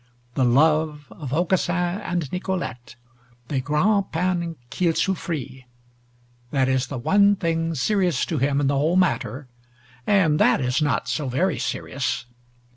The love of Aucassin and Nicolete "Des grans paines qu'il soufri," that is the one thing serious to him in the whole matter, and that is not so very serious.